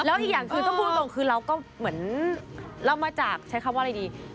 แล้วอีกอย่างคือต้องพูดตรงคือเราก็เหมือนเรามาจากใช้คำว่าอะไรดี